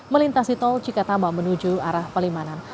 melintasi tol cikatama menuju arah palimanan